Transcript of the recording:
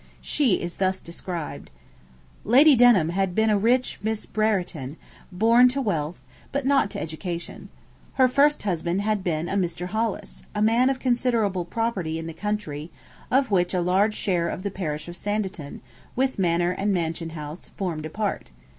She is thus described: 'Lady Denham had been a rich Miss Brereton, born to wealth, but not to education. Her first husband had been a Mr. Hollis, a man of considerable property in the country, of which a large share of the parish of Sanditon, with manor and mansion house, formed a part.